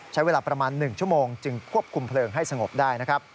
ใช้เวลาประมาณ๑ชั่วโมงจึงควบคุมเพลิงให้สงบได้นะครับ